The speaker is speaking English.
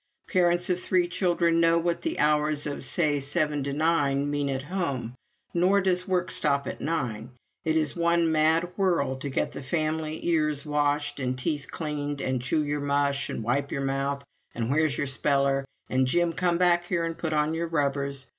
Parents of three children know what the hours of, say, seven to nine mean, at home; nor does work stop at nine. It is one mad whirl to get the family ears washed and teeth cleaned, and "Chew your mush!" and "Wipe your mouth!" and "Where's your speller?" and "Jim, come back here and put on your rubbers!"